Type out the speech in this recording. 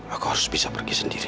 aku harus bisa pergi sendiri